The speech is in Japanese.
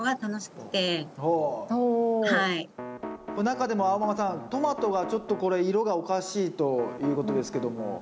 中でもあおママさんトマトがちょっとこれ色がおかしいということですけども。